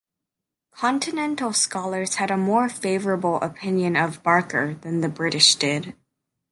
Continental scholars had a more favourable opinion of Barker than the British did.